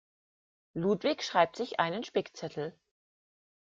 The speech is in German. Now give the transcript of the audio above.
Ludwig schreibt sich einen Spickzettel.